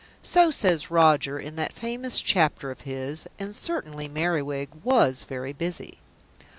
So says Roger in that famous chapter of his, and certainly Merriwig was very busy.